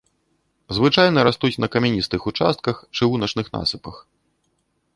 Звычайна растуць на камяністых участках, чыгуначных насыпах.